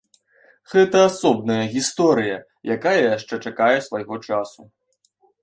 Гэта асобная гісторыя, якая яшчэ чакае свайго часу.